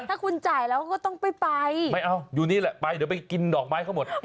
ถ้าคุณจ่ายแล้วก็ต้องไปไปไม่เอาอยู่นี่แหละไปเดี๋ยวไปกินดอกไม้เขาหมด